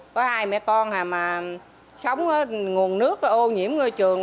có hai mẹ con mà sống nguồn nước hô nhiễm ngôi trường